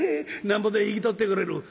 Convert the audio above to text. なんぼで引き取ってくれる？」。